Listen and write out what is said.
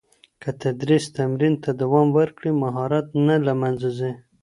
که تدریس تمرین ته دوام ورکړي، مهارت نه له منځه ځي.